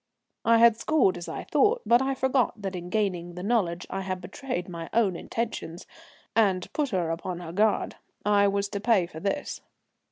I had scored as I thought, but I forgot that in gaining the knowledge I had betrayed my own intentions, and put her upon her guard. I was to pay for this.